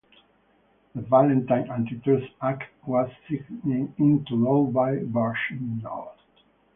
The Valentine Anti-Trust Act was signed into law by Bushnell.